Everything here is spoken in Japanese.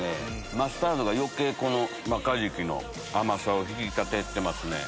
マスタードが余計マカジキの甘さを引き立ててます。